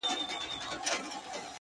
اختر نژدې دی،